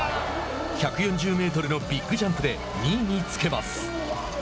１４０メートルのビッグジャンプで２位につけます。